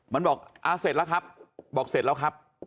มันบอกอ่าเสร็จแล้วครับบอกเสร็จแล้วครับ